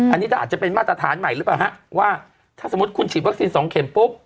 อันนี้ก็อาจจะเป็นมาตรฐานใหม่หรือเปล่าฮะว่าถ้าสมมุติคุณฉีดวัคซีนสองเข็มปุ๊บ